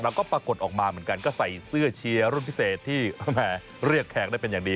ปรากฏออกมาเหมือนกันก็ใส่เสื้อเชียร์รุ่นพิเศษที่เรียกแขกได้เป็นอย่างดี